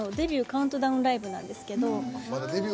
カウントダウンライブなんですけど。